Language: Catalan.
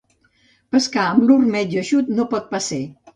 Pescar amb l'ormeig eixut no pot pas ser.